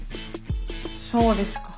そうですか。